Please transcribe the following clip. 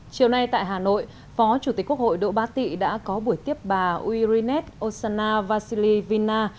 chiều nay tại hà nội phó chủ tịch quốc hội đỗ bá tị đã có buổi tiếp bà urinet osana vasili vina